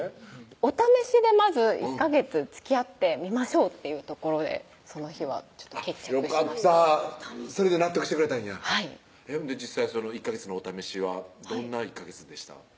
お試しでまず１ヵ月つきあってみましょうっていうところでその日は決着しましたよかったそれで納得してくれたんやはい実際その１ヵ月のお試しはどんな１ヵ月でした？